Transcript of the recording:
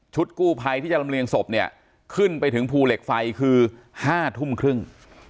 กู้ภัยที่จะลำเลียงศพเนี่ยขึ้นไปถึงภูเหล็กไฟคือ๕ทุ่มครึ่ง